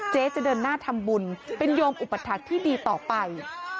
จะเดินหน้าทำบุญเป็นโยมอุปถักษที่ดีต่อไป